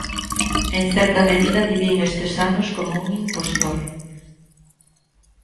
En certa medida vivín estes anos como un impostor.